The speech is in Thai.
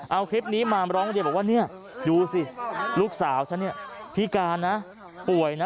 เอาคลิปนี้มาร้องเรียนบอกว่าเนี่ยดูสิลูกสาวฉันเนี่ยพิการนะป่วยนะ